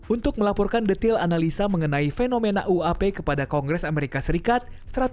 untuk melaporkan detail analisa mengenai fenomena uap kepada kongres amerika serikat